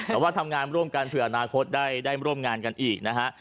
แต่ว่าทำงานร่วมกันเผื่ออนาคตได้ร่วมงานกันอีกนะฮะ